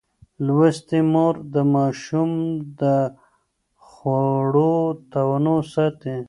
لوستې مور د ماشوم د خوړو تنوع ساتي.